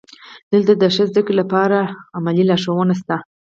دلته د ښې زده کړې لپاره عملي لارښوونې شته.